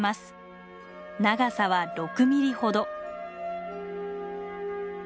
長さは６ミリほど。